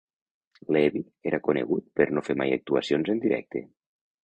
Leevi era conegut per no fer mai actuacions en directe.